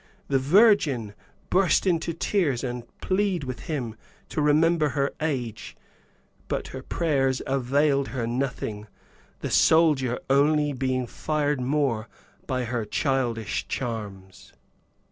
The virgin burst into tears and plead with him to remember her age, but her prayers availed her nothing, the soldier only being fired the more by her childish charms.